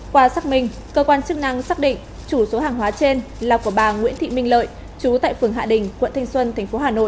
qua xác minh cơ quan chức năng xác định chủ số hàng hóa trên là của bà nguyễn thị minh lợi chú tại phường hạ đình quận thanh xuân tp hà nội